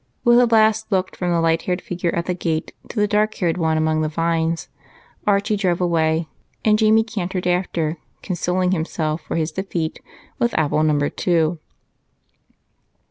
With a last look from the light haired figure at the gate to the dark haired one among the vines, Archie drove away and Jamie cantered after, consoling himself for his defeat with apple number two.